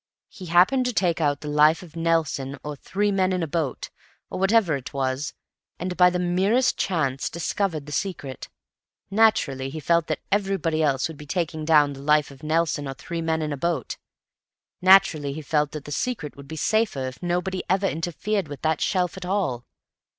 He happened to take out 'The Life of Nelson' or 'Three Men in a Boat,' or whatever it was, and by the merest chance discovered the secret. Naturally he felt that everybody else would be taking down 'The Life of Nelson' or 'Three Men in a Boat.' Naturally he felt that the secret would be safer if nobody ever interfered with that shelf at all.